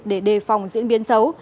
để đề phòng diễn biến xấu